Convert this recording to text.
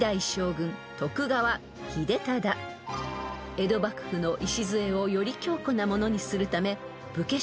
［江戸幕府の礎をより強固なものにするため］